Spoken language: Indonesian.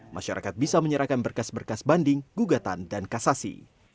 masyarakat bisa menyerahkan berkas berkas banding gugatan dan kasasi